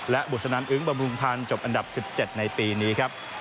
และบุษนันอึ้งบำรุงพันธ์จบอันดับ๑๗ในปีนี้ครับ